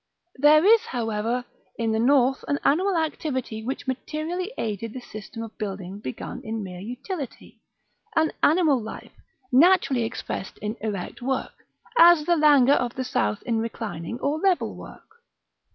§ VII. There is, however, in the north an animal activity which materially aided the system of building begun in mere utility, an animal life, naturally expressed in erect work, as the languor of the south in reclining or level work.